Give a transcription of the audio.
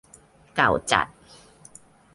เก่าจัด